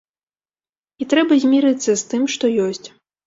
І трэба змірыцца з тым, што ёсць.